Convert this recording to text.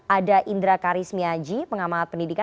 ada indra karismiaji pengamat pendidikan